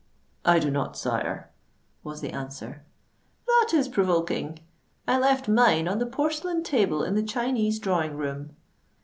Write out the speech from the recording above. "I do not, sire," was the answer. "That is provoking! I left mine on the porcelain table in the Chinese Drawing Room."